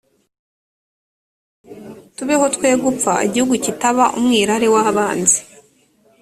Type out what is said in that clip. tubeho twegupfa igihugu kitaba umwirare wabanzi.